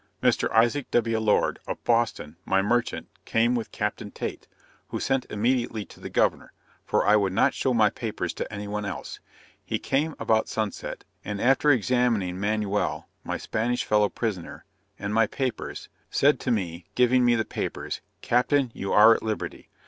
Mr. Isaac W. Lord, of Boston, my merchant, came with Captain Tate, who sent immediately to the governor; for I would not show my papers to any one else. He came about sunset, and after examining Manuel my Spanish fellow prisoner, and my papers, said to be, giving me the papers, "Captain, you are at liberty."